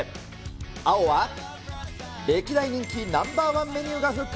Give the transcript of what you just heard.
青は、歴代人気ナンバー１メニューが復活。